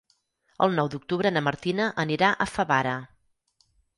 El nou d'octubre na Martina anirà a Favara.